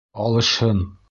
Алышһын!